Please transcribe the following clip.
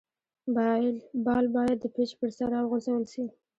بال باید د پيچ پر سر راوغورځول سي.